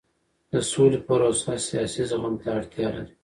د سولې پروسه سیاسي زغم ته اړتیا لري